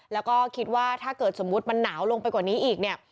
แล้วก็คิดว่าถ้าเกิดสมมุติมันหนาวลงไปกว่านี้อีกเนี่ย